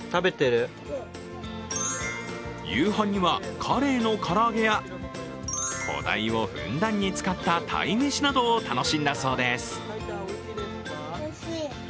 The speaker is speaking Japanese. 夕飯にはカレイの唐揚げや小鯛をふんだんに使った鯛飯などを楽しんだそうです。